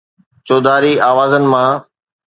چوڌاري آوازن مان